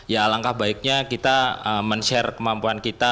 ya alangkah baiknya kita men share kemampuan kita